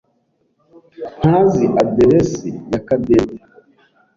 ntazi aderesi ya Cadette.